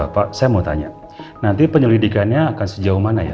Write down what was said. pak saya mau tanya nanti penyelidikannya akan sejauh mana ya